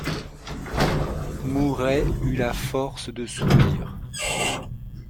Mouret eut la force de sourire.